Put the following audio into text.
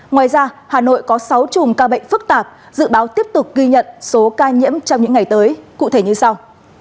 ngoài ra hà nội có sáu chùm ca bệnh phức tạp dự báo tiếp tục ghi nhận số ca nhiễm trong những ngày tới cụ thể như sau